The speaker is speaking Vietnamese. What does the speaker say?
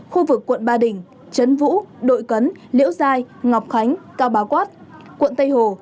khu vực quận ba đình trấn vũ đội cấn liễu giai ngọc khánh cao báo quát quận tây hồ